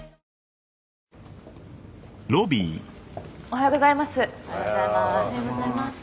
おはようございます。